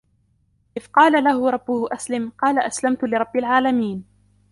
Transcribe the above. إِذْ قَالَ لَهُ رَبُّهُ أَسْلِمْ ۖ قَالَ أَسْلَمْتُ لِرَبِّ الْعَالَمِينَ